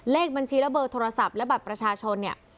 เลขบัญชีและเบอร์โทรศัพท์และบัตรประชาชนเนี่ย